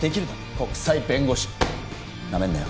国際弁護士ナメんなよ